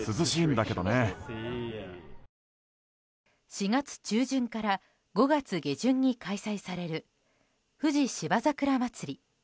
４月中旬から５月下旬に開催される富士芝桜まつり。